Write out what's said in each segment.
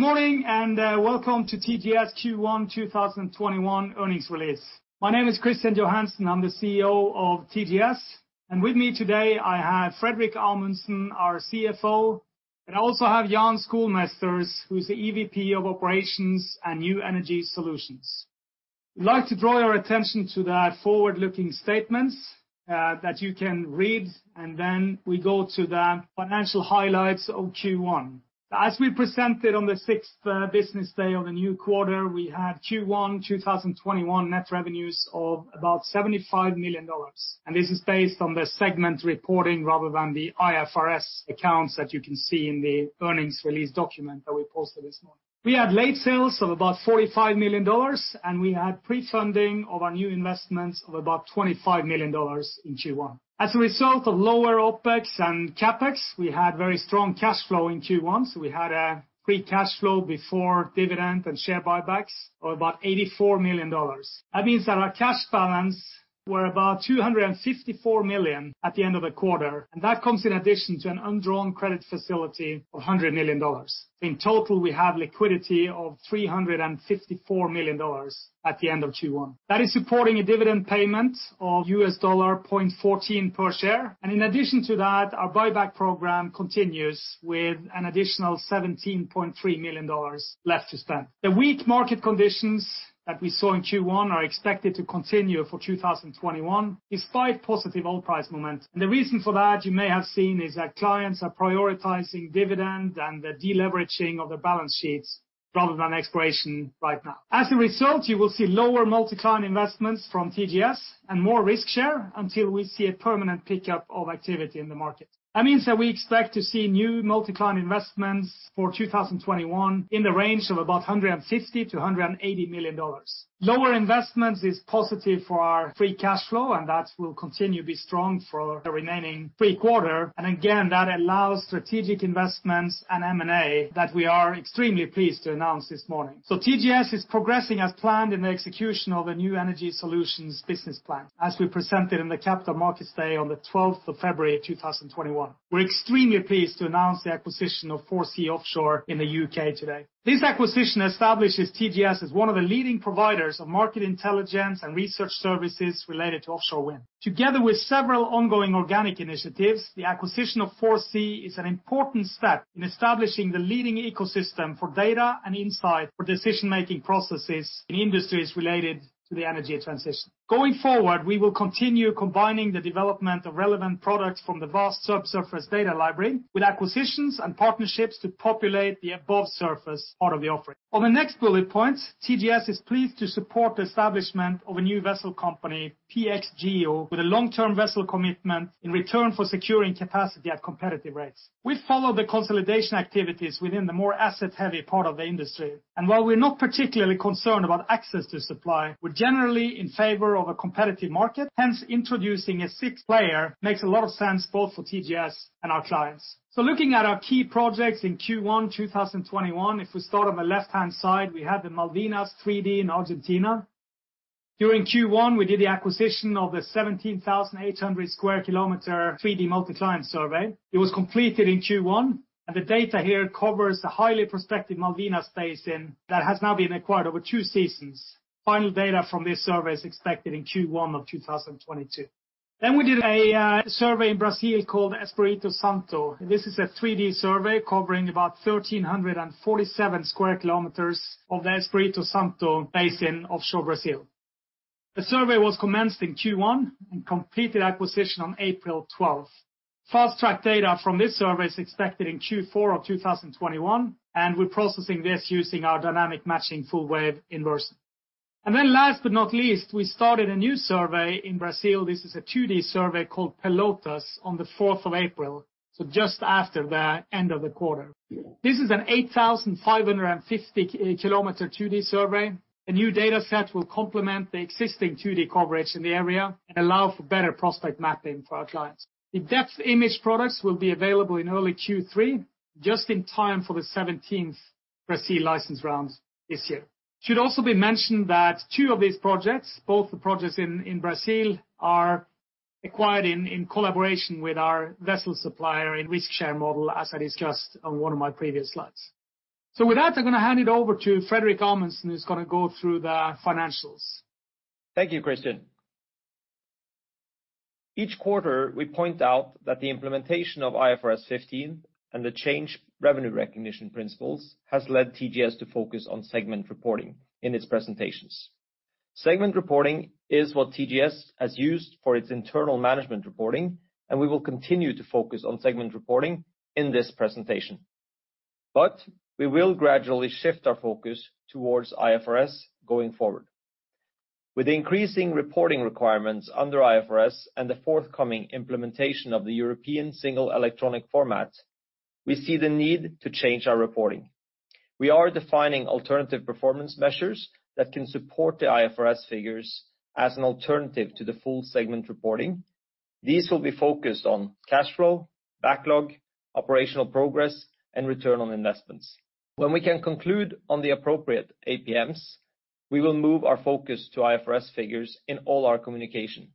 Good morning, and welcome to TGS Q1 2021 earnings release. My name is Kristian Johansen. I'm the CEO of TGS. With me today I have Fredrik Amundsen, our CFO, and I also have Jan Schoolmeesters, who's the EVP of Operations and New Energy Solutions. I'd like to draw your attention to the forward-looking statements that you can read, and then we go to the financial highlights of Q1. As we presented on the sixth business day of the new quarter, we have Q1 2021 net revenues of about $75 million. This is based on the segment reporting rather than the IFRS accounts that you can see in the earnings release document that we posted this morning. We had late sales of about $45 million, and we had pre-funding of our new investments of about $25 million in Q1. As a result of lower OpEx and CapEx, we had very strong cash flow in Q1, so we had a free cash flow before dividend and share buybacks of about $84 million. That means that our cash balance were about $254 million at the end of the quarter, and that comes in addition to an undrawn credit facility of $100 million. In total, we have liquidity of $354 million at the end of Q1. That is supporting a dividend payment of $0.14 per share. In addition to that, our buyback program continues with an additional $17.3 million left to spend. The weak market conditions that we saw in Q1 are expected to continue for 2021 despite positive oil price momentum. The reason for that, you may have seen, is that clients are prioritizing dividend and the deleveraging of their balance sheets rather than exploration right now. As a result, you will see lower multi-client investments from TGS and more risk share until we see a permanent pickup of activity in the market. That means that we expect to see new multi-client investments for 2021 in the range of about $150 million-$180 million. Lower investments is positive for our free cash flow, and that will continue to be strong for the remaining three quarter. Again, that allows strategic investments and M&A that we are extremely pleased to announce this morning. TGS is progressing as planned in the execution of the New Energy Solutions business plan as we presented in the Capital Markets Day on the 12th of February 2021. We're extremely pleased to announce the acquisition of 4C Offshore in the U.K. today. This acquisition establishes TGS as one of the leading providers of market intelligence and research services related to offshore wind. Together with several ongoing organic initiatives, the acquisition of 4C is an important step in establishing the leading ecosystem for data and insight for decision-making processes in industries related to the energy transition. Going forward, we will continue combining the development of relevant products from the vast subsurface data library with acquisitions and partnerships to populate the above surface part of the offering. On the next bullet point, TGS is pleased to support the establishment of a new vessel company, PXGEO, with a long-term vessel commitment in return for securing capacity at competitive rates. We follow the consolidation activities within the more asset-heavy part of the industry, and while we're not particularly concerned about access to supply, we're generally in favor of a competitive market. Hence, introducing a sixth player makes a lot of sense both for TGS and our clients. Looking at our key projects in Q1 2021, if we start on the left-hand side, we have the Malvinas 3D in Argentina. During Q1, we did the acquisition of the 17,800 square kilometer 3D multi-client survey. It was completed in Q1, and the data here covers the highly prospective Malvinas Basin that has now been acquired over two seasons. Final data from this survey is expected in Q1 2022. We did a survey in Brazil called Espirito Santo. This is a 3D survey covering about 1,347 square kilometers of the Espirito Santo basin offshore Brazil. The survey was commenced in Q1 and completed acquisition on April 12th. Fast-tracked data from this survey is expected in Q4 2021, and we're processing this using our Dynamic Matching Full Waveform Inversion. Last but not least, we started a new survey in Brazil. This is a 2D survey called Pelotas on the 4th of April, so just after the end of the quarter. This is an 8,550 km 2D survey. The new data set will complement the existing 2D coverage in the area and allow for better prospect mapping for our clients. The depth image products will be available in early Q3, just in time for the 17th Brazil license round this year. It should also be mentioned that two of these projects, both the projects in Brazil, are acquired in collaboration with our vessel supplier in risk share model as I discussed on one of my previous slides. With that, I'm going to hand it over to Fredrik Amundsen, who's going to go through the financials. Thank you, Kristian. Each quarter, we point out that the implementation of IFRS 15 and the change revenue recognition principles has led TGS to focus on segment reporting in its presentations. Segment reporting is what TGS has used for its internal management reporting, and we will continue to focus on segment reporting in this presentation. We will gradually shift our focus towards IFRS going forward. With increasing reporting requirements under IFRS and the forthcoming implementation of the European Single Electronic Format, we see the need to change our reporting. We are defining Alternative Performance Measures that can support the IFRS figures as an alternative to the full segment reporting. These will be focused on cash flow, backlog, operational progress, and return on investments. When we can conclude on the appropriate APMs, we will move our focus to IFRS figures in all our communication.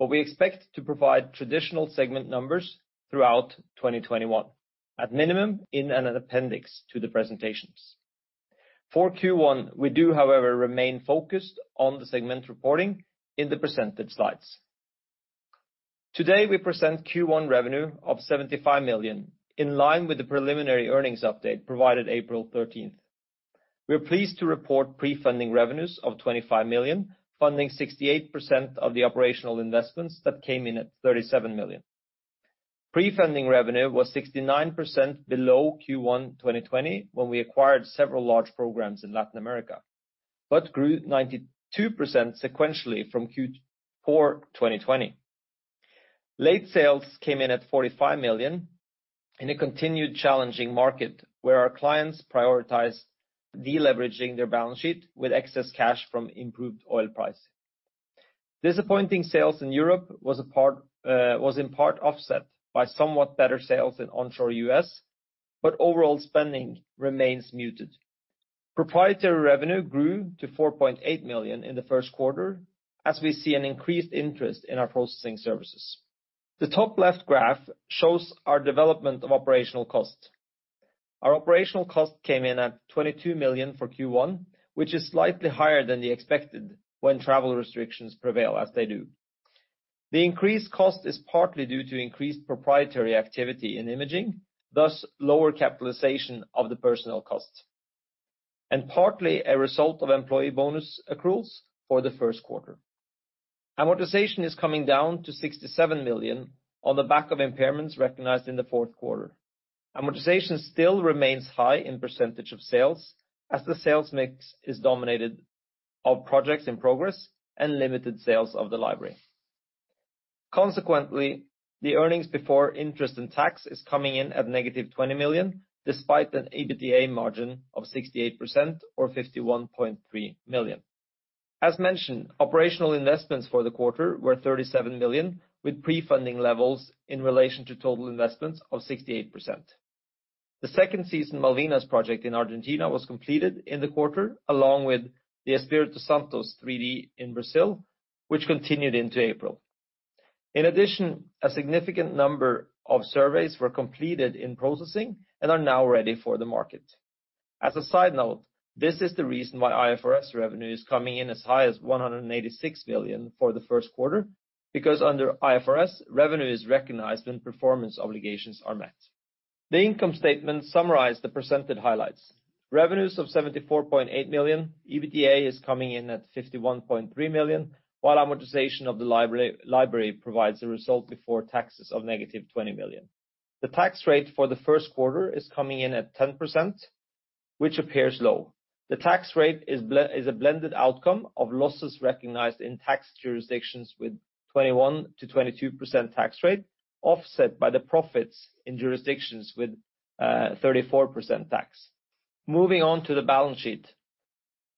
We expect to provide traditional segment numbers throughout 2021, at minimum in an appendix to the presentations. For Q1, we do, however, remain focused on the segment reporting in the presented slides. Today, we present Q1 revenue of $75 million, in line with the preliminary earnings update provided April 13th. We are pleased to report pre-funding revenues of $25 million, funding 68% of the operational investments that came in at $37 million. Pre-funding revenue was 69% below Q1 2020, when we acquired several large programs in Latin America, but grew 92% sequentially from Q4 2020. Late sales came in at $45 million in a continued challenging market, where our clients prioritized de-leveraging their balance sheet with excess cash from improved oil price. Disappointing sales in Europe was in part offset by somewhat better sales in onshore U.S., but overall spending remains muted. Proprietary revenue grew to $4.8 million in the first quarter, as we see an increased interest in our processing services. The top left graph shows our development of operational costs. Our operational costs came in at $22 million for Q1, which is slightly higher than the expected when travel restrictions prevail as they do. The increased cost is partly due to increased proprietary activity in imaging, thus lower capitalization of the personnel costs, and partly a result of employee bonus accruals for the first quarter. Amortization is coming down to $67 million on the back of impairments recognized in the fourth quarter. Amortization still remains high in percentage of sales, as the sales mix is dominated of projects in progress and limited sales of the library. Consequently, the earnings before interest and tax is coming in at negative $20 million, despite an EBITDA margin of 68% or $51.3 million. As mentioned, operational investments for the quarter were $37 million, with pre-funding levels in relation to total investments of 68%. The second season Malvinas project in Argentina was completed in the quarter, along with the Espirito Santo 3D in Brazil, which continued into April. In addition, a significant number of surveys were completed in processing and are now ready for the market. As a side note, this is the reason why IFRS revenue is coming in as high as $186 million for the first quarter, because under IFRS, revenue is recognized when performance obligations are met. The income statement summarized the presented highlights. Revenues of $74.8 million, EBITDA is coming in at $51.3 million, while amortization of the library provides a result before taxes of negative $20 million. The tax rate for the first quarter is coming in at 10%, which appears low. The tax rate is a blended outcome of losses recognized in tax jurisdictions with 21%-22% tax rate, offset by the profits in jurisdictions with 34% tax. Moving on to the balance sheet.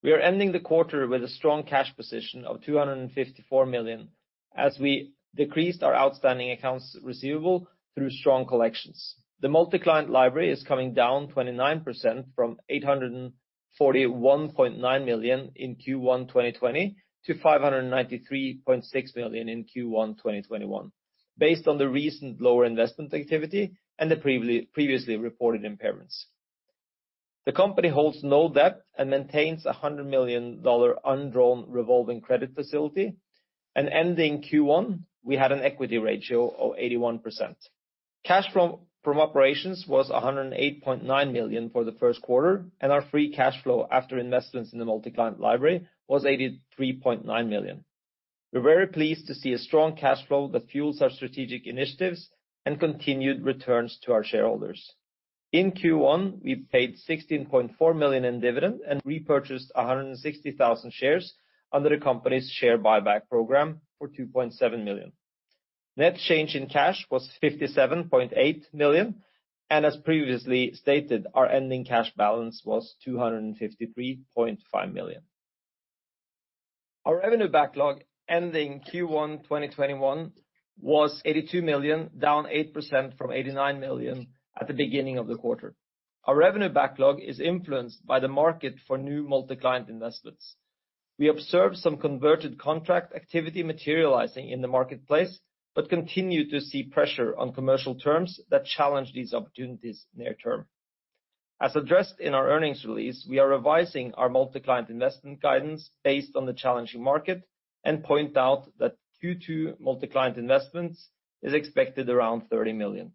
We are ending the quarter with a strong cash position of $254 million as we decreased our outstanding accounts receivable through strong collections. The multi-client library is coming down 29% from $841.9 million in Q1 2020 to $593.6 million in Q1 2021, based on the recent lower investment activity and the previously reported impairments. The company holds no debt and maintains $100 million undrawn revolving credit facility. Ending Q1, we had an equity ratio of 81%. Cash from operations was $108.9 million for the first quarter, and our free cash flow after investments in the multi-client library was $83.9 million. We're very pleased to see a strong cash flow that fuels our strategic initiatives and continued returns to our shareholders. In Q1, we paid $16.4 million in dividend and repurchased 160,000 shares under the company's share buyback program for $2.7 million. Net change in cash was $57.8 million, and as previously stated, our ending cash balance was $253.5 million. Our revenue backlog ending Q1 2021 was $82 million, down 8% from $89 million at the beginning of the quarter. Our revenue backlog is influenced by the market for new multi-client investments. We observed some converted contract activity materializing in the marketplace, but continue to see pressure on commercial terms that challenge these opportunities near term. As addressed in our earnings release, we are revising our multi-client investment guidance based on the challenging market and point out that Q2 multi-client investments is expected around $30 million.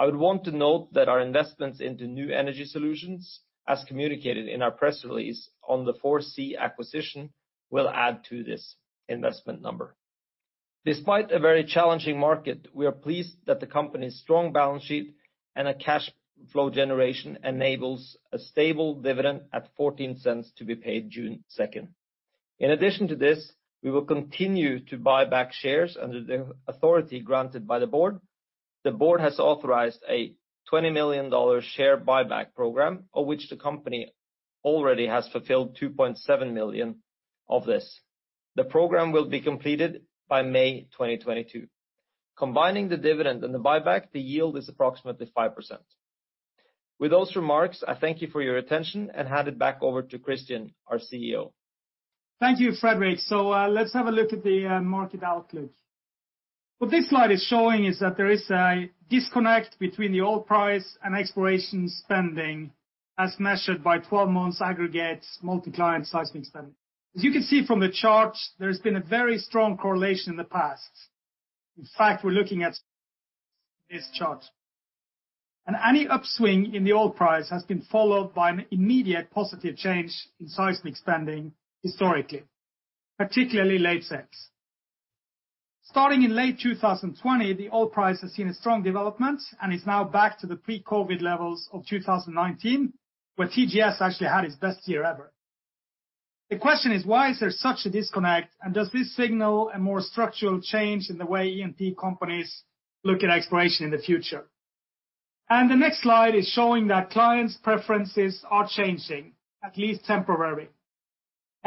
I would want to note that our investments into new energy solutions, as communicated in our press release on the 4C acquisition, will add to this investment number. Despite a very challenging market, we are pleased that the company's strong balance sheet and a cash flow generation enables a stable dividend at $0.14 to be paid June 2nd. In addition to this, we will continue to buy back shares under the authority granted by the board. The board has authorized a $20 million share buyback program, of which the company already has fulfilled $2.7 million of this. The program will be completed by May 2022. Combining the dividend and the buyback, the yield is approximately 5%. With those remarks, I thank you for your attention and hand it back over to Kristian, our CEO. Thank you, Fredrik. Let's have a look at the market outlook. What this slide is showing is that there is a disconnect between the oil price and exploration spending as measured by 12 months aggregate multi-client seismic spending. As you can see from the chart, there's been a very strong correlation in the past. In fact, we're looking at this chart. Any upswing in the oil price has been followed by an immediate positive change in seismic spending historically, particularly late sets. Starting in late 2020, the oil price has seen a strong development and is now back to the pre-COVID levels of 2019, where TGS actually had its best year ever. The question is, why is there such a disconnect, and does this signal a more structural change in the way E&P companies look at exploration in the future? The next slide is showing that clients' preferences are changing, at least temporarily.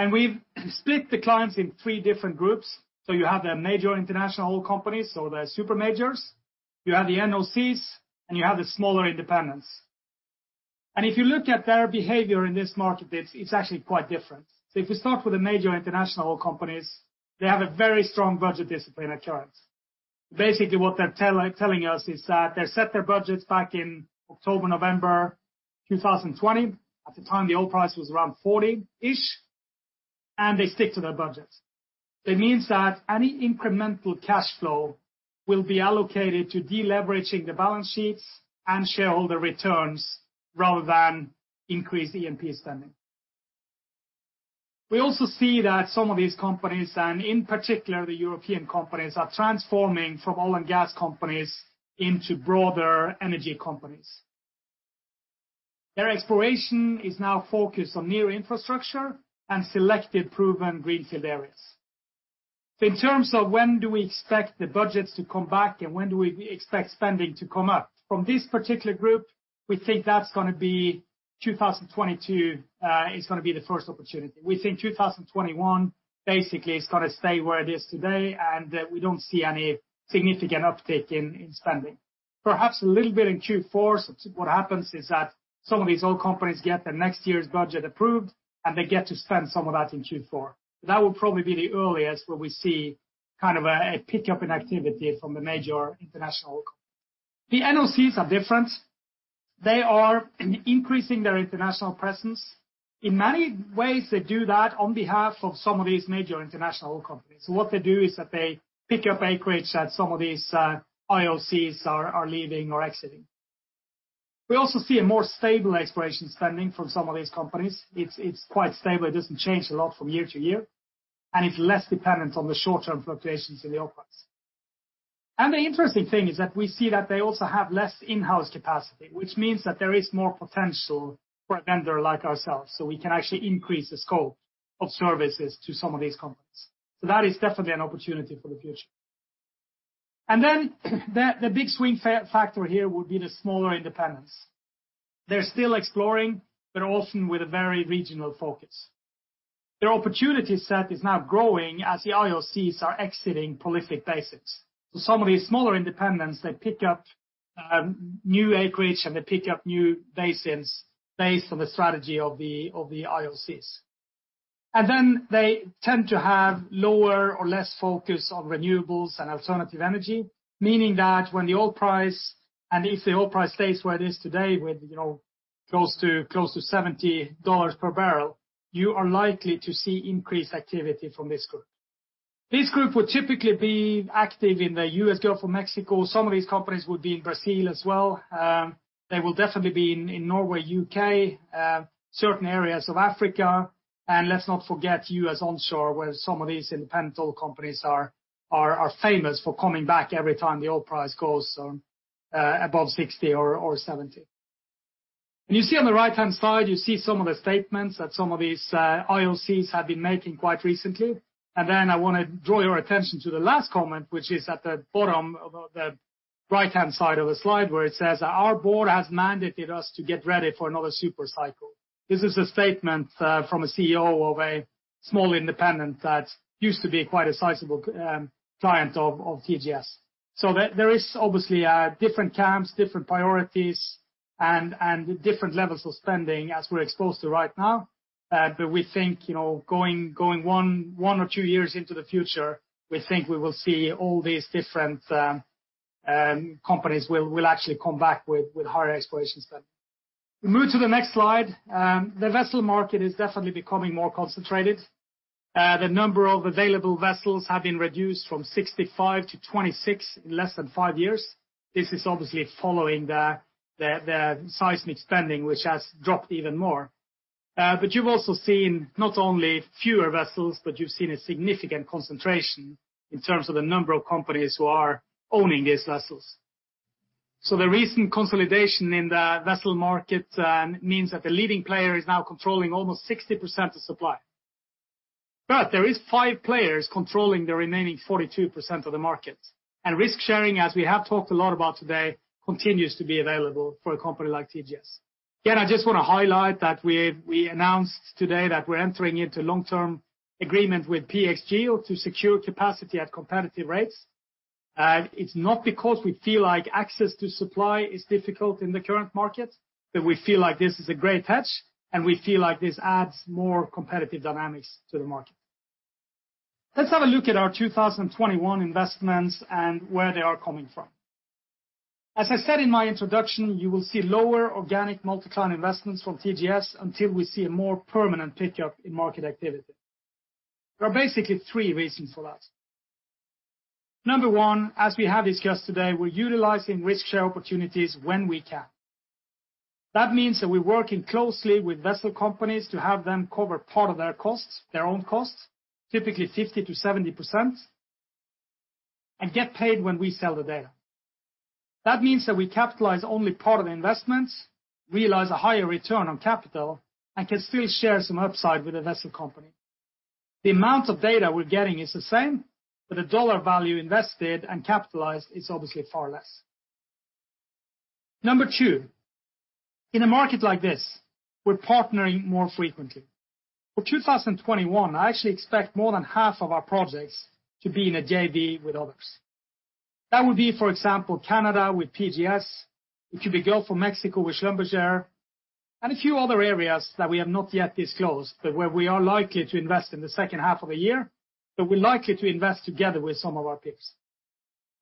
We've split the clients in three different groups. You have the major International Oil Companies, so the super majors, you have the NOCs, and you have the smaller independents. If you look at their behavior in this market, it's actually quite different. If we start with the major International Oil Companies, they have a very strong budget discipline occurrence. Basically, what they're telling us is that they set their budget back in October, November 2020. At the time, the oil price was around 40-ish, and they stick to their budget. It means that any incremental cash flow will be allocated to deleveraging the balance sheets and shareholder returns rather than increase E&P spending. We also see that some of these companies, and in particular the European companies, are transforming from oil and gas companies into broader energy companies. Their exploration is now focused on near infrastructure and selected proven greenfield areas. In terms of when do we expect the budgets to come back and when do we expect spending to come up? From this particular group, we think that's going to be 2022 is going to be the first opportunity. We think 2021 basically is going to stay where it is today, and we don't see any significant uptick in spending. Perhaps a little bit in Q4. What happens is that some of these oil companies get their next year's budget approved, and they get to spend some of that in Q4. That will probably be the earliest where we see kind of a pickup in activity from the major international companies. The NOCs are different. They are increasing their international presence. In many ways, they do that on behalf of some of these major International Oil Companies. What they do is that they pick up acreage that some of these IOCs are leaving or exiting. We also see a more stable exploration spending from some of these companies. It's quite stable. It doesn't change a lot from year to year, and it's less dependent on the short-term fluctuations in the oil price. The interesting thing is that we see that they also have less in-house capacity, which means that there is more potential for a vendor like ourselves, so we can actually increase the scope of services to some of these companies. That is definitely an opportunity for the future. Then the big swing factor here would be the smaller independents. They're still exploring, but often with a very regional focus. Their opportunity set is now growing as the IOCs are exiting prolific basins. Some of these smaller independents, they pick up new acreage, and they pick up new basins based on the strategy of the IOCs. They tend to have lower or less focus on renewables and alternative energy, meaning that when the oil price, and if the oil price stays where it is today with close to $70 per barrel, you are likely to see increased activity from this group. This group would typically be active in the U.S. Gulf of Mexico. Some of these companies would be in Brazil as well. They will definitely be in Norway, U.K., certain areas of Africa. Let's not forget U.S. onshore, where some of these independent oil companies are famous for coming back every time the oil price goes above $60 or $70. You see on the right-hand side, you see some of the statements that some of these IOCs have been making quite recently. I want to draw your attention to the last comment, which is at the bottom of the right-hand side of the slide where it says, "Our board has mandated us to get ready for another super cycle." This is a statement from a CEO of a small independent that used to be quite a sizable client of TGS. There is obviously different camps, different priorities, and different levels of spending as we're exposed to right now. We think going one or two years into the future, we think we will see all these different companies will actually come back with higher exploration spending. We move to the next slide. The vessel market is definitely becoming more concentrated. The number of available vessels have been reduced from 65-26 in less than five years. This is obviously following the seismic spending, which has dropped even more. You've also seen not only fewer vessels, but you've seen a significant concentration in terms of the number of companies who are owning these vessels. The recent consolidation in the vessel market means that the leading player is now controlling almost 60% of supply. There is five players controlling the remaining 42% of the market. Risk-sharing, as we have talked a lot about today, continues to be available for a company like TGS. I just want to highlight that we announced today that we're entering into long-term agreement with PXGEO to secure capacity at competitive rates. It's not because we feel like access to supply is difficult in the current market, but we feel like this is a great hedge, and we feel like this adds more competitive dynamics to the market. Let's have a look at our 2021 investments and where they are coming from. As I said in my introduction, you will see lower organic multi-client investments from TGS until we see a more permanent pickup in market activity. There are basically three reasons for that. Number one, as we have discussed today, we're utilizing risk share opportunities when we can. That means that we're working closely with vessel companies to have them cover part of their costs, their own costs, typically 50%-70%, and get paid when we sell the data. That means that we capitalize only part of the investments, realize a higher return on capital, and can still share some upside with the vessel company. The amount of data we're getting is the same, but the dollar value invested and capitalized is obviously far less. Number 2, in a market like this, we're partnering more frequently. For 2021, I actually expect more than half of our projects to be in a JV with others. That would be, for example, Canada with PGS, it could be Gulf of Mexico with Schlumberger, and a few other areas that we have not yet disclosed, but where we are likely to invest in the second half of the year, but we're likely to invest together with some of our peers.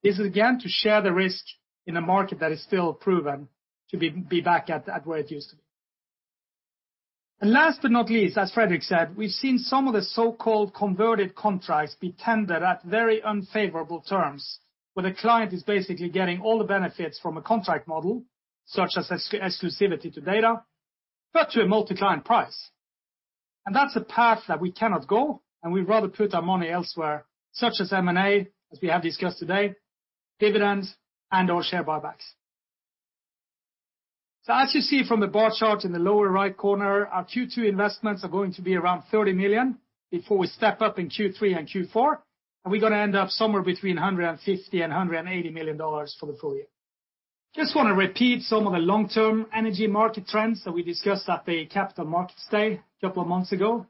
This is, again, to share the risk in a market that is still proven to be back at where it used to be. Last but not least, as Fredrik said, we've seen some of the so-called converted contracts be tendered at very unfavorable terms, where the client is basically getting all the benefits from a contract model, such as exclusivity to data, but to a multi-client price. That's a path that we cannot go, and we'd rather put our money elsewhere, such as M&A, as we have discussed today, dividends and/or share buybacks. As you see from the bar chart in the lower right corner, our Q2 investments are going to be around $30 million before we step up in Q3 and Q4, and we're going to end up somewhere between $150 million and $180 million for the full year. Just want to repeat some of the long-term energy market trends that we discussed at the Capital Markets Day a couple of months ago.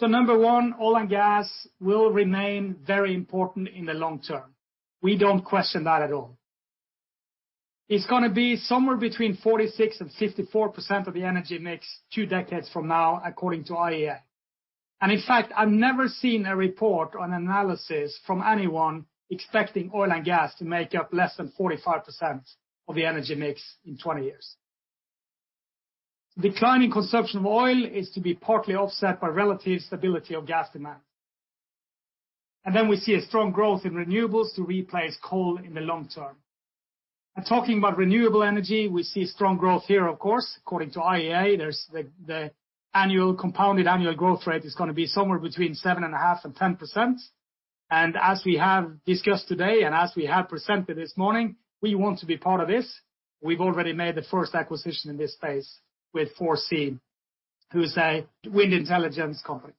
Number one, oil and gas will remain very important in the long term. We don't question that at all. It's going to be somewhere between 46% and 54% of the energy mix two decades from now, according to IEA. In fact, I've never seen a report or an analysis from anyone expecting oil and gas to make up less than 45% of the energy mix in 20 years. Declining consumption of oil is to be partly offset by relative stability of gas demand. We see a strong growth in renewables to replace coal in the long term. Talking about renewable energy, we see strong growth here, of course. According to IEA, the compounded annual growth rate is going to be somewhere between 7.5% and 10%. As we have discussed today and as we have presented this morning, we want to be part of this. We've already made the first acquisition in this space with 4C, who is a wind intelligence company.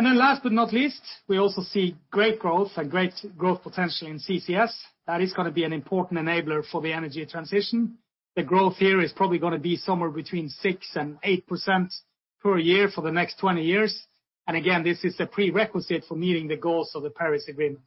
Last but not least, we also see great growth and great growth potential in CCS. That is going to be an important enabler for the energy transition. The growth here is probably going to be somewhere between 6% and 8% per year for the next 20 years. Again, this is a prerequisite for meeting the goals of the Paris Agreement.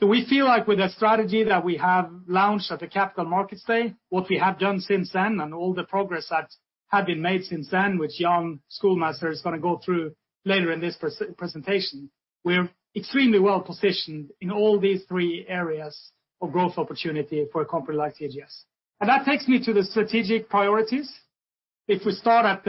We feel like with the strategy that we have launched at the Capital Markets Day, what we have done since then, and all the progress that had been made since then, which Jan Schoolmeesters is going to go through later in this presentation, we are extremely well-positioned in all these three areas of growth opportunity for a company like TGS. That takes me to the strategic priorities. If we start at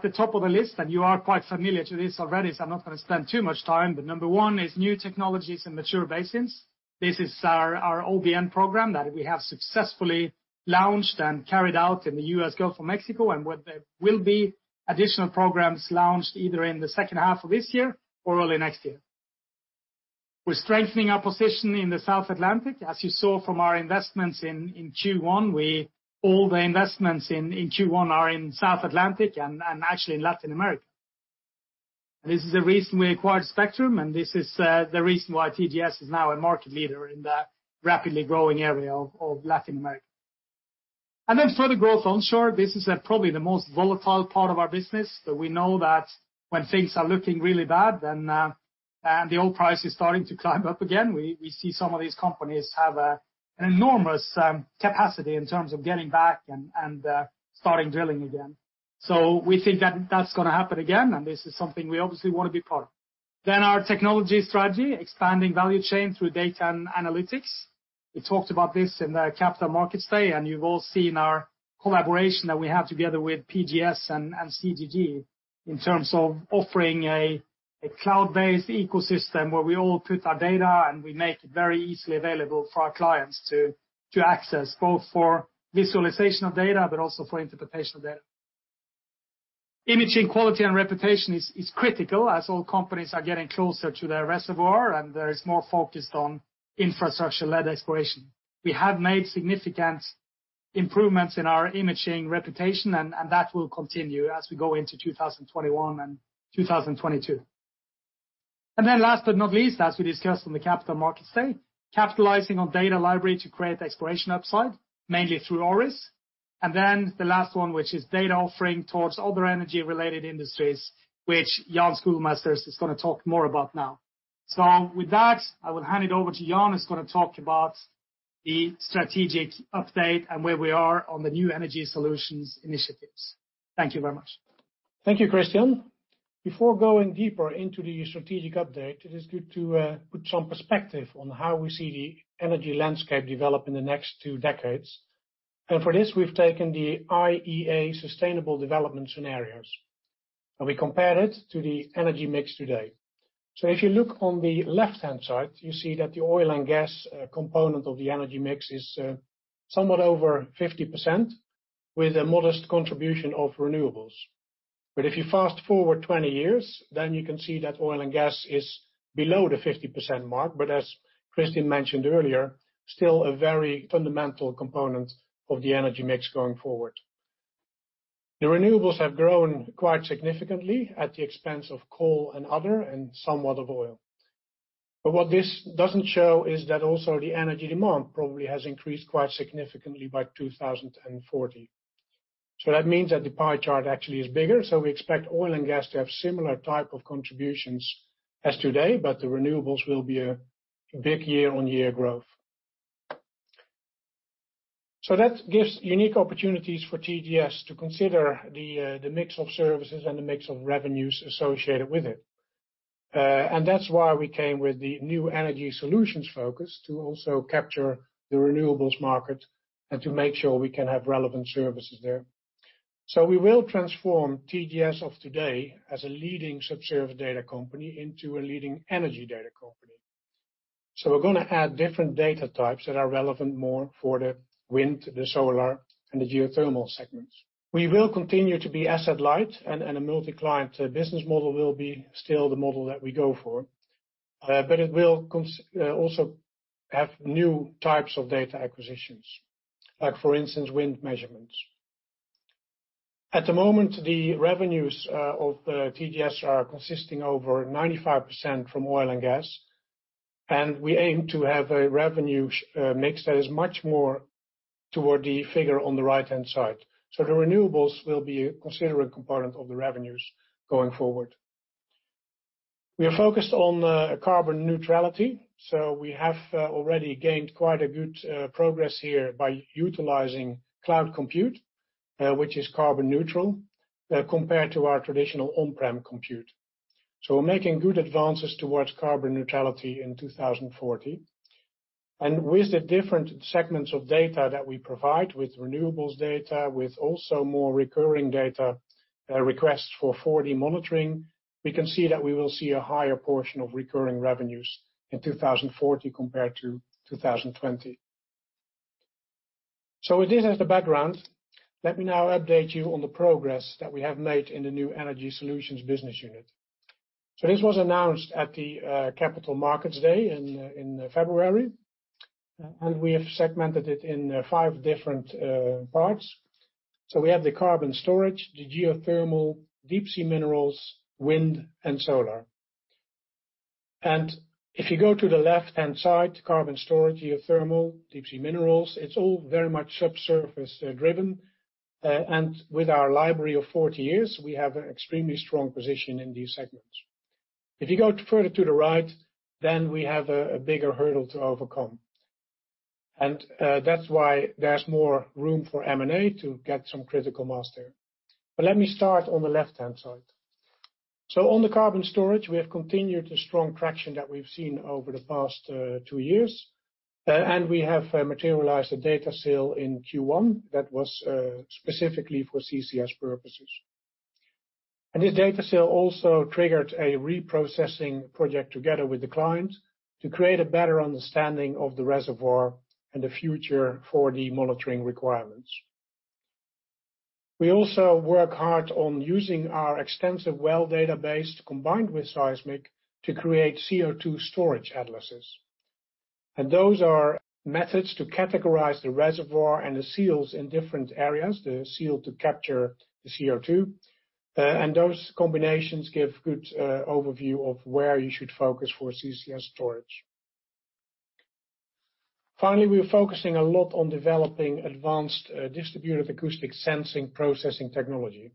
the top of the list, and you are quite familiar to this already, so I'm not going to spend too much time. Number one is new technologies in mature basins. This is our OBN program that we have successfully launched and carried out in the U.S. Gulf of Mexico, and there will be additional programs launched either in the second half of this year or early next year. We're strengthening our position in the South Atlantic. As you saw from our investments in Q1, all the investments in Q1 are in South Atlantic and actually Latin America. This is the reason we acquired Spectrum, and this is the reason why TGS is now a market leader in the rapidly growing area of Latin America. Further growth onshore. This is probably the most volatile part of our business, but we know that when things are looking really bad, then the oil price is starting to climb up again. We see some of these companies have an enormous capacity in terms of getting back and starting drilling again. We think that that's going to happen again, and this is something we obviously want to be part of. Our technology strategy, expanding value chain through data and analytics. We talked about this in the Capital Markets Day, and you've all seen our collaboration that we have together with PGS and CGG in terms of offering a cloud-based ecosystem where we all put our data and we make it very easily available for our clients to access, both for visualization of data but also for interpretation of data. Imaging quality and reputation is critical as oil companies are getting closer to their reservoir and there is more focus on infrastructure-led exploration. We have made significant improvements in our imaging reputation, and that will continue as we go into 2021 and 2022. Then last but not least, as we discussed on the Capital Markets Day, capitalizing on data library to create exploration upside, mainly through ORIS. Then the last one, which is data offering towards other energy-related industries, which Jan Schoolmeesters is going to talk more about now. With that, I will hand it over to Jan, who's going to talk about the strategic update and where we are on the New Energy Solutions initiatives. Thank you very much. Thank you, Kristian. Before going deeper into the strategic update, it is good to put some perspective on how we see the energy landscape develop in the next 2 decades. For this, we've taken the IEA Sustainable Development Scenario, and we compare it to the energy mix today. If you look on the left-hand side, you see that the oil and gas component of the energy mix is somewhat over 50%, with a modest contribution of renewables. If you fast-forward 20 years, then you can see that oil and gas is below the 50% mark. As Kristian mentioned earlier, still a very fundamental component of the energy mix going forward. The renewables have grown quite significantly at the expense of coal and other, and somewhat of oil. What this doesn't show is that also the energy demand probably has increased quite significantly by 2040. That means that the pie chart actually is bigger. We expect oil and gas to have similar type of contributions as today, but the renewables will be a big year-on-year growth. That gives unique opportunities for TGS to consider the mix of services and the mix of revenues associated with it. That's why we came with the New Energy Solutions focus to also capture the renewables market and to make sure we can have relevant services there. We will transform TGS of today as a leading subsurface data company into a leading energy data company. We're going to add different data types that are relevant more for the wind, the solar, and the geothermal segments. We will continue to be asset-light and a multi-client business model will be still the model that we go for. It will also have new types of data acquisitions, like for instance, wind measurements. At the moment, the revenues of TGS are consisting over 95% from oil and gas, and we aim to have a revenue mix that is much more toward the figure on the right-hand side. The renewables will be a considerate component of the revenues going forward. We are focused on carbon neutrality, we have already gained quite a good progress here by utilizing cloud compute, which is carbon neutral, compared to our traditional on-prem compute. We're making good advances towards carbon neutrality in 2040. With the different segments of data that we provide with renewables data, with also more recurring data requests for 4D monitoring, we can see that we will see a higher portion of recurring revenues in 2040 compared to 2020. With this as the background, let me now update you on the progress that we have made in the New Energy Solutions business unit. This was announced at the Capital Markets Day in February, and we have segmented it in five different parts. We have the carbon storage, the geothermal, deep sea minerals, wind, and solar. If you go to the left-hand side, carbon storage, geothermal, deep sea minerals, it's all very much subsurface-driven. With our library of 40 years, we have an extremely strong position in these segments. If you go further to the right, we have a bigger hurdle to overcome. That's why there's more room for M&A to get some critical mass. Let me start on the left-hand side. On the carbon storage, we have continued the strong traction that we've seen over the past two years, and we have materialized a data sale in Q1 that was specifically for CCS purposes. This data sale also triggered a reprocessing project together with the client to create a better understanding of the reservoir and the future for the monitoring requirements. We also work hard on using our extensive well database combined with seismic to create CO2 storage atlases. Those are methods to categorize the reservoir and the seals in different areas, the seal to capture the CO2. Those combinations give good overview of where you should focus for CCS storage. Finally, we are focusing a lot on developing advanced Distributed Acoustic Sensing processing technology.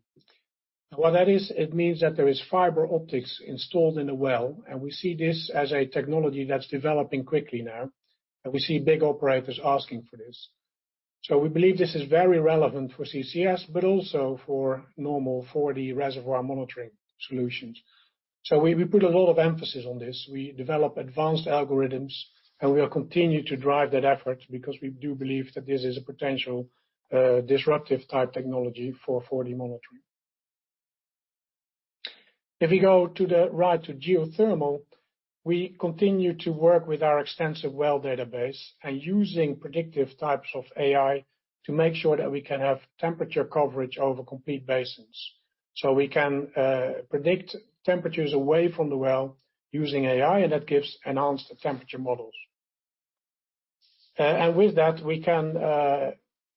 What that is, it means that there is fiber optics installed in the well, and we see this as a technology that's developing quickly now. We see big operators asking for this. We believe this is very relevant for CCS, but also for normal 4D reservoir monitoring solutions. We put a lot of emphasis on this. We develop advanced algorithms, and we will continue to drive that effort because we do believe that this is a potential disruptive type technology for 4D monitoring. If we go to the right to geothermal, we continue to work with our extensive well database and using predictive types of AI to make sure that we can have temperature coverage over complete basins. We can predict temperatures away from the well using AI, and that gives enhanced temperature models. With that, we can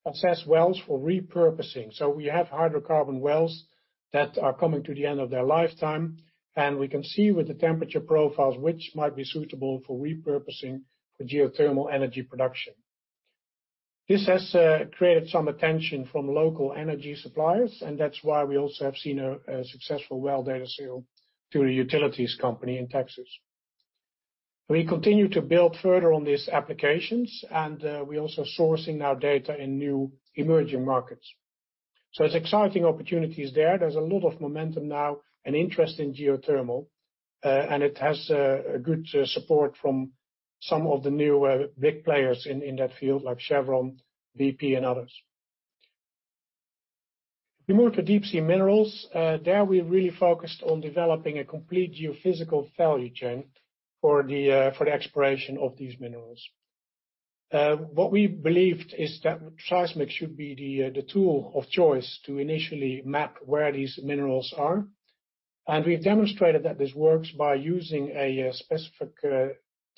assess wells for repurposing. We have hydrocarbon wells that are coming to the end of their lifetime, and we can see with the temperature profiles, which might be suitable for repurposing for geothermal energy production. This has created some attention from local energy suppliers, and that's why we also have seen a successful well data sale to a utilities company in Texas. We continue to build further on these applications, and we're also sourcing our data in new emerging markets. There's exciting opportunities there. There's a lot of momentum now and interest in geothermal, and it has good support from some of the new big players in that field, like Chevron, BP, and others. We move to deep sea minerals. There, we really focused on developing a complete geophysical value chain for the exploration of these minerals. What we believed is that seismic should be the tool of choice to initially map where these minerals are. We've demonstrated that this works by using a specific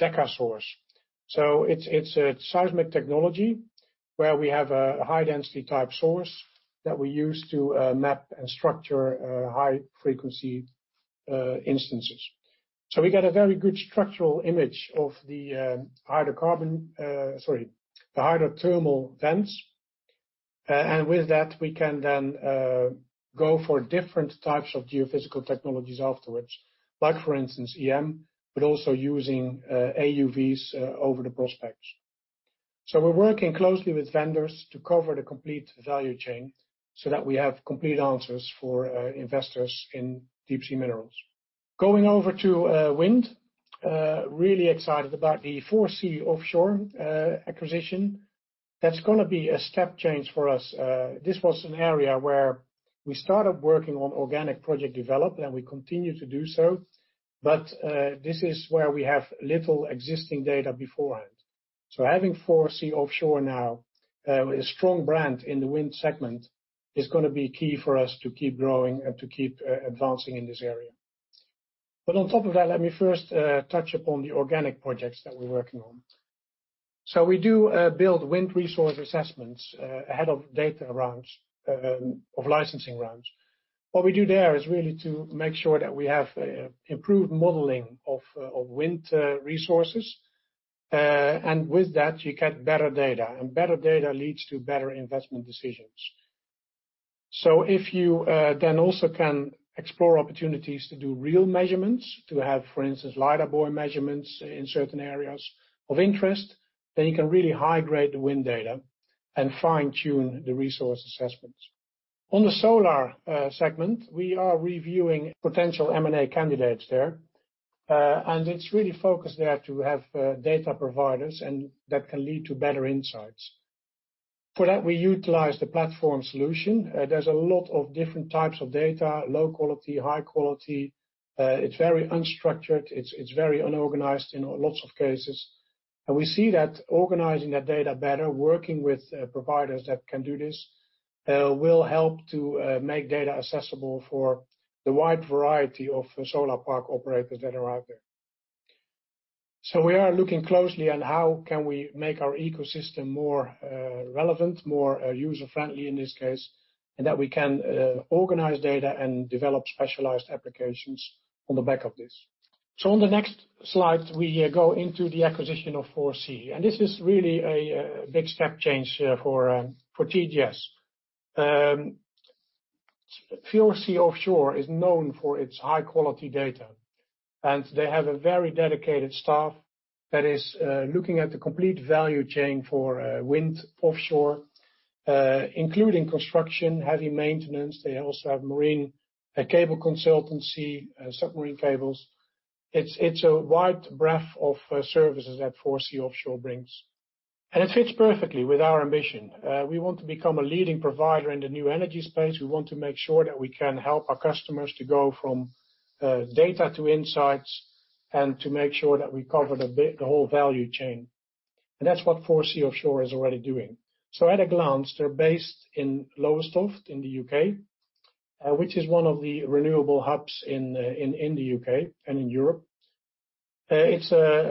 decasource. It's a seismic technology where we have a high density type source that we use to map and structure high frequency instances. We get a very good structural image of the hydrothermal vents. With that, we can then go for different types of geophysical technologies afterwards, like for instance, EM, but also using AUVs over the prospects. We're working closely with vendors to cover the complete value chain so that we have complete answers for investors in deep sea minerals. Going over to wind. Really excited about the 4C Offshore acquisition. That's going to be a step change for us. This was an area where we started working on organic project development, and we continue to do so, but this is where we have little existing data beforehand. Having 4C Offshore now, a strong brand in the wind segment, is going to be key for us to keep growing and to keep advancing in this area. On top of that, let me first touch upon the organic projects that we're working on. We do build wind resource assessments ahead of licensing rounds. What we do there is really to make sure that we have improved modeling of wind resources. With that, you get better data, and better data leads to better investment decisions. If you then also can explore opportunities to do real measurements, to have, for instance, lidar buoy measurements in certain areas of interest, then you can really high-grade the wind data and fine-tune the resource assessments. On the solar segment, we are reviewing potential M&A candidates there, and it's really focused there to have data providers, and that can lead to better insights. For that, we utilize the platform solution. There's a lot of different types of data, low quality, high quality. It's very unstructured. It's very unorganized in lots of cases. We see that organizing that data better, working with providers that can do this, will help to make data accessible for the wide variety of solar park operators that are out there. We are looking closely on how can we make our ecosystem more relevant, more user-friendly in this case, and that we can organize data and develop specialized applications on the back of this. On the next slide, we go into the acquisition of 4C. This is really a big step change for TGS. 4C Offshore is known for its high-quality data, and they have a very dedicated staff that is looking at the complete value chain for wind offshore, including construction, heavy maintenance. They also have marine cable consultancy, submarine cables. It's a wide breadth of services that 4C Offshore brings, and it fits perfectly with our ambition. We want to become a leading provider in the new energy space. We want to make sure that we can help our customers to go from data to insights and to make sure that we cover the whole value chain. That's what 4C Offshore is already doing. At a glance, they're based in Lowestoft in the U.K., which is one of the renewable hubs in the U.K. and in Europe. It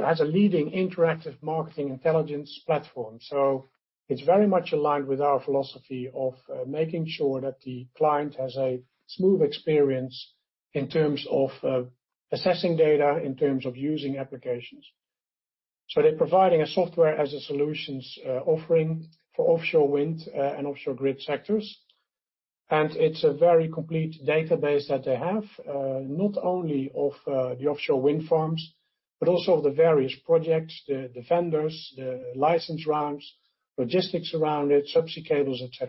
has a leading interactive marketing intelligence platform. It's very much aligned with our philosophy of making sure that the client has a smooth experience in terms of assessing data, in terms of using applications. They're providing a Software as a Service offering for offshore wind and offshore grid sectors. It's a very complete database that they have, not only of the offshore wind farms, but also of the various projects, the vendors, the license rounds, logistics around it, subsea cables, et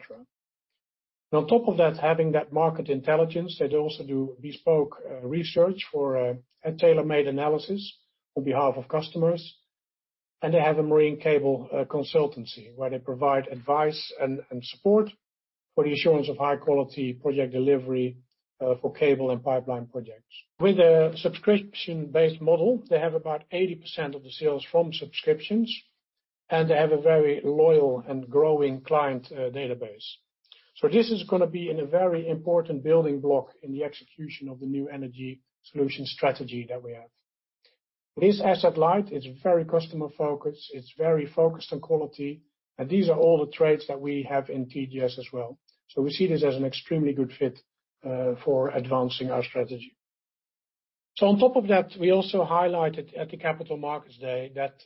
cetera. On top of that, having that market intelligence, they also do bespoke research for a tailor-made analysis on behalf of customers. They have a marine cable consultancy, where they provide advice and support for the assurance of high quality project delivery for cable and pipeline projects. With a subscription-based model, they have about 80% of the sales from subscriptions, and they have a very loyal and growing client database. This is going to be in a very important building block in the execution of the New Energy Solution strategy that we have. It is asset-light, it's very customer-focused, it's very focused on quality, and these are all the traits that we have in TGS as well. We see this as an extremely good fit for advancing our strategy. On top of that, we also highlighted at the Capital Markets Day that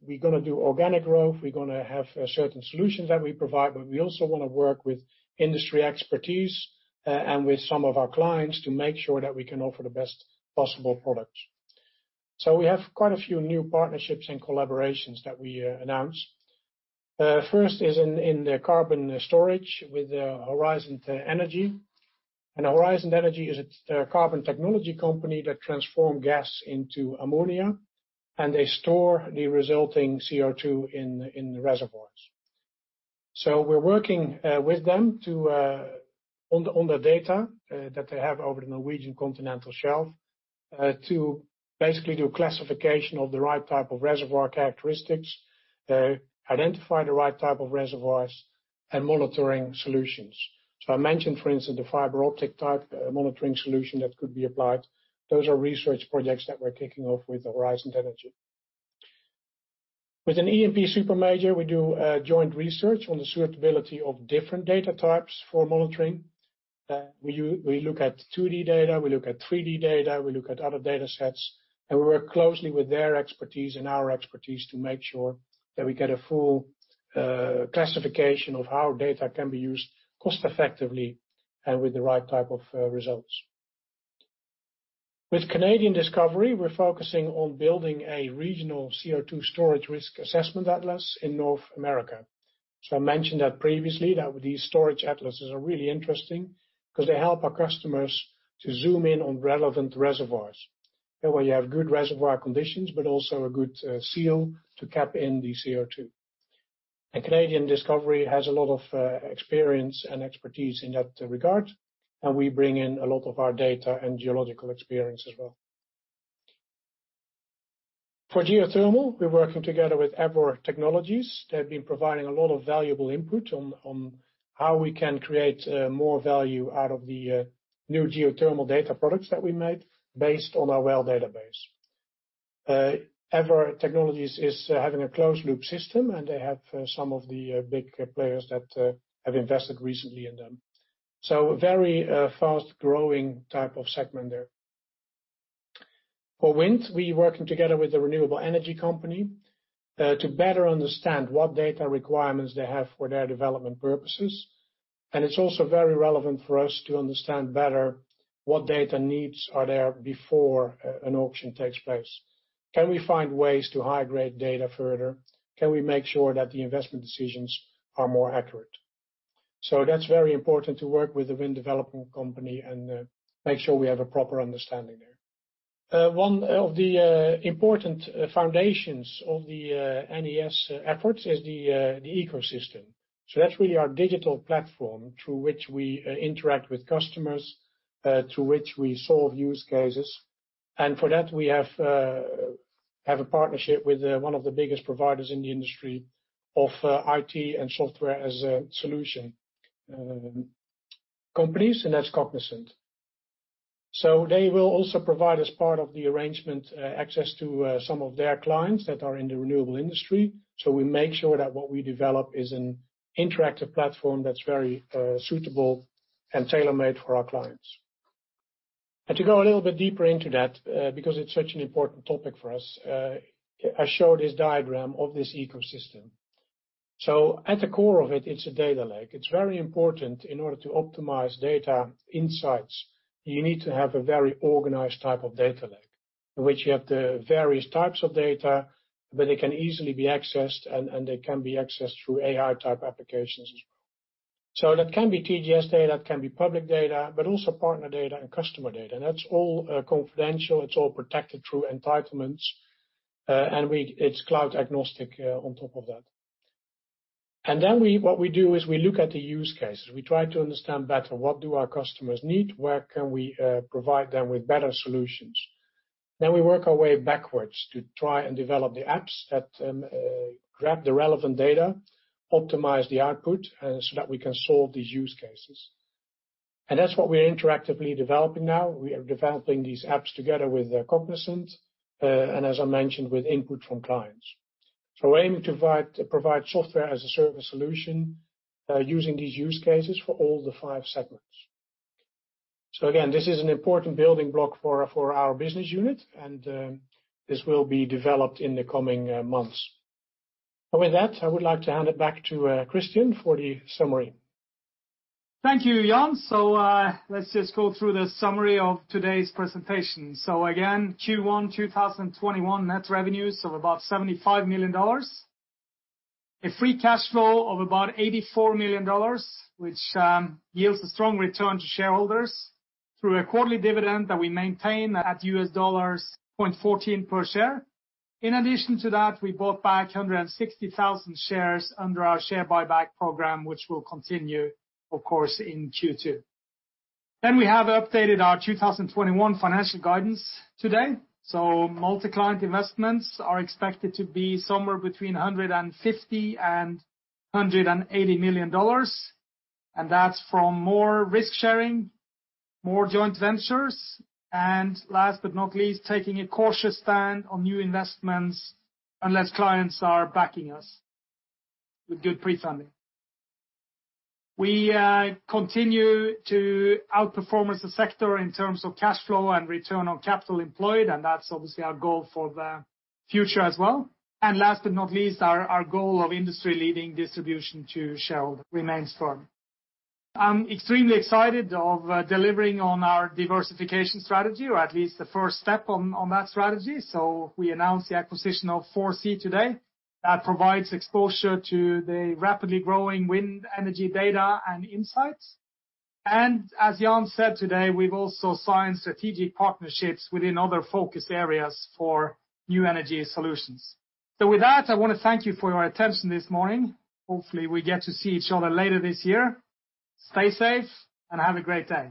we're going to do organic growth. We're going to have certain solutions that we provide, but we also want to work with industry expertise, and with some of our clients to make sure that we can offer the best possible products. We have quite a few new partnerships and collaborations that we announced. First is in the carbon storage with Horisont Energi. Horisont Energi is a carbon technology company that transform gas into ammonia, and they store the resulting CO2 in the reservoirs. We're working with them on the data that they have over the Norwegian Continental Shelf, to basically do classification of the right type of reservoir characteristics, identify the right type of reservoirs and monitoring solutions. I mentioned, for instance, the fiber optic type monitoring solution that could be applied. Those are research projects that we're kicking off with Horisont Energi. With an E&P super major, we do joint research on the suitability of different data types for monitoring. We look at 2D data, we look at 3D data, we look at other data sets, and we work closely with their expertise and our expertise to make sure that we get a full classification of how data can be used cost-effectively and with the right type of results. With Canadian Discovery, we're focusing on building a regional CO2 storage risk assessment atlas in North America. I mentioned that previously that these storage atlases are really interesting because they help our customers to zoom in on relevant reservoirs, where you have good reservoir conditions, but also a good seal to cap in the CO2. Canadian Discovery has a lot of experience and expertise in that regard, and we bring in a lot of our data and geological experience as well. For geothermal, we're working together with Eavor Technologies. They've been providing a lot of valuable input on how we can create more value out of the new geothermal data products that we made based on our well database. Eavor Technologies is having a closed-loop system, and they have some of the big players that have invested recently in them. A very fast-growing type of segment there. For wind, we working together with the Renewable Energy Company to better understand what data requirements they have for their development purposes. It's also very relevant for us to understand better what data needs are there before an auction takes place. Can we find ways to high-grade data further? Can we make sure that the investment decisions are more accurate? That's very important to work with the wind developing company and make sure we have a proper understanding there. One of the important foundations of the NES efforts is the ecosystem. That's really our digital platform through which we interact with customers, through which we solve use cases. For that, we have a partnership with one of the biggest providers in the industry of IT and software as a solution company, and that's Cognizant. They will also provide, as part of the arrangement, access to some of their clients that are in the renewable industry. We make sure that what we develop is an interactive platform that's very suitable and tailor-made for our clients. To go a little bit deeper into that, because it's such an important topic for us, I show this diagram of this ecosystem. At the core of it's a data lake. It's very important in order to optimize data insights, you need to have a very organized type of data lake in which you have the various types of data, but they can easily be accessed, and they can be accessed through AI-type applications as well. That can be TGS data, that can be public data, but also partner data and customer data. That's all confidential, it's all protected through entitlements. It's cloud agnostic on top of that. What we do is we look at the use cases. We try to understand better what do our customers need, where can we provide them with better solutions? We work our way backwards to try and develop the apps that grab the relevant data, optimize the output so that we can solve these use cases. That's what we're interactively developing now. We are developing these apps together with Cognizant, and as I mentioned, with input from clients. We're aiming to provide software-as-a-service solution using these use cases for all the five segments. Again, this is an important building block for our business unit and this will be developed in the coming months. With that, I would like to hand it back to Kristian for the summary. Thank you, Jan. Let's just go through the summary of today's presentation. Again, Q1 2021, net revenues of about $75 million. A free cash flow of about $84 million, which yields a strong return to shareholders through a quarterly dividend that we maintain at $0.14 per share. In addition to that, we bought back 160,000 shares under our share buyback program, which will continue, of course, in Q2. We have updated our 2021 financial guidance today. Multi-client investments are expected to be somewhere between $150 million-$180 million. That's from more risk-sharing, more joint ventures, and last but not least, taking a cautious stand on new investments unless clients are backing us with good pre-funding. We continue to outperform as a sector in terms of cash flow and return on capital employed. That's obviously our goal for the future as well. Last but not least, our goal of industry-leading distribution to Shell remains firm. I'm extremely excited of delivering on our diversification strategy, or at least the first step on that strategy. We announced the acquisition of 4C today. That provides exposure to the rapidly growing wind energy data and insights. As Jan said today, we've also signed strategic partnerships within other focused areas for New Energy Solutions. With that, I want to thank you for your attention this morning. Hopefully, we get to see each other later this year. Stay safe and have a great day.